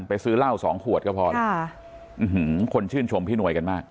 ซื้อเหล้าสองขวดก็พอแล้วคนชื่นชมพี่หนวยกันมาก